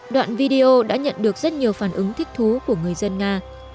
đoạn video đã nhận được rất nhiều phản ứng thích thú của người dân nga